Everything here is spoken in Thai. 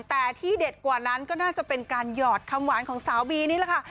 แต่ที่เด็ดกว่านั้นก็น่าจะเป็นการหยอดคำหวานของสาวบีนี่แหละค่ะ